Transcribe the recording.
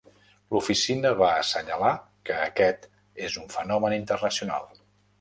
L'oficina va assenyalar que aquest és un fenomen internacional.